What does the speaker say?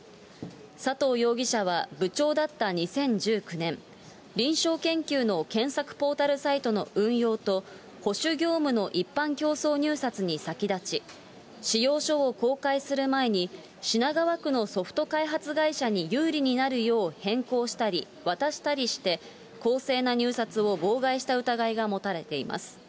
佐藤容疑者は部長だった２０１９年、臨床研究の検索ポータルサイトの運用と、保守業務の一般競争入札に先立ち、仕様書を公開する前に、品川区のソフト開発会社に有利になるよう変更したり、渡したりして、公正な入札を妨害した疑いが持たれています。